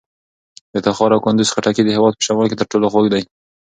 د تخار او کندوز خټکي د هېواد په شمال کې تر ټولو خوږ دي.